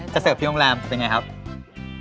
จะเสิร์ฟที่โรงแรมจะเป็นอย่างไรครับ